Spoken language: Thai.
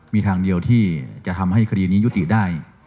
มีทางเดียวที่จะทำให้คดีนี้ยุติได้